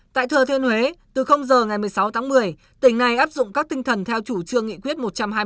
tại thừa thiên huế từ giờ ngày một mươi sáu tháng một mươi tỉnh này áp dụng các tinh thần theo chủ trương nghị quyết một trăm hai mươi